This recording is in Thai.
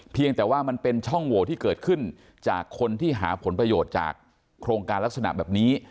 เพียงแต่ว่ามันเป็นช่องโหวตที่เกิดขึ้นจากคนที่หาผลประโยชน์จากโครงการลักษณะแบบนี้